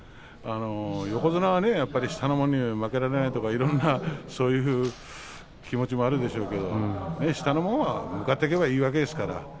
横綱は下の者には負けられないとかそういう気持ちもあるんでしょうけど、下の者は向かっていけばいいだけですから。